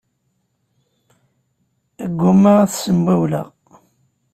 Ggumaɣ ad t-ssembiwleɣ.